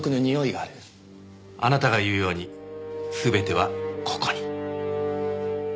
あなたが言うように全てはここに。